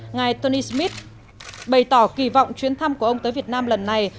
ngài tony smith bày tỏ kỳ vọng chuyến thăm của ông tới việt nam lần này